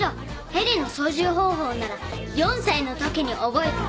ヘリの操縦方法なら４歳のときに覚えた。